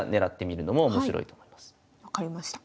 分かりました。